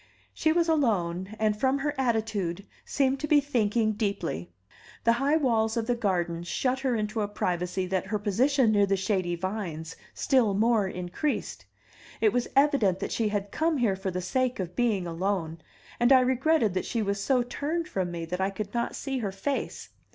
She was alone, and, from her attitude, seemed to be thinking deeply. The high walls of the garden shut her into a privacy that her position near the shady vines still more increased. It was evident that she had come here for the sake of being alone, and I regretted that she was so turned from me that I could not see her face.